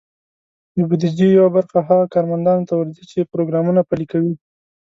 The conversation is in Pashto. د بودیجې یوه برخه هغه کارمندانو ته ورځي، چې پروګرامونه پلي کوي.